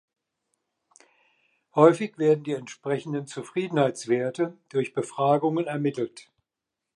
Häufig werden die entsprechenden Zufriedenheits-Werte durch Befragungen ermittelt.